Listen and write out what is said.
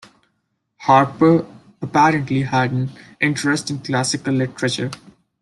Harpur apparently had an interest in classical literature.